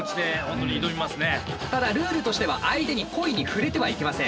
ただルールとしては相手に故意に触れてはいけません。